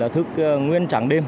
thức nguyên trắng đêm